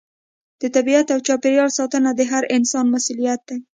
د طبیعت او چاپیریال ساتنه د هر انسان مسؤلیت دی.